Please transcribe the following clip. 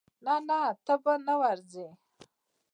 نه نه ته به نه ورزې.